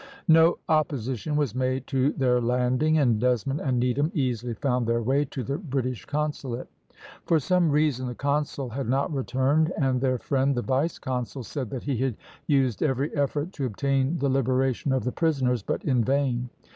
No opposition was made to their landing, and Desmond and Needham easily found their way to the British consulate. For some reason the consul had not returned, and their friend, the vice consul, said that he had used every effort to obtain the liberation of the prisoners, but in vain.